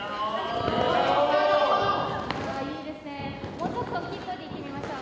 もうちょっとおっきい声で言ってみましょう。